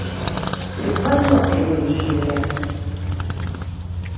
Дык пазногці былі сінія.